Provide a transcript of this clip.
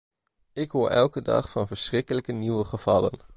Ik hoor elke dag van verschrikkelijke nieuwe gevallen.